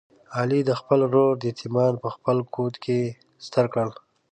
علي د خپل ورور یتیمان په خپل کوت کې ستر کړل.